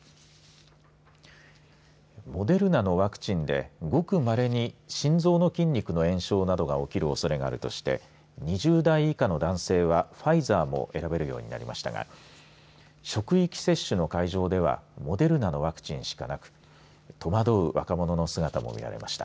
モデルナのワクチンでごくまれに心臓の筋肉の炎症などが起きるおそれがあるとして２０代以下の男性はファイザーも選べるようになりましたが職域接種の会場ではモデルナのワクチンしかなく戸惑う若者の姿も見られました。